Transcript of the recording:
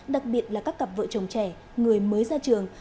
đặc biệt là các cặp vợ chồng trẻ người mới ra trường